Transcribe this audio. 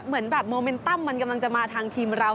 เหมือนแบบโมเมนตัมมันกำลังจะมาทางทีมเรา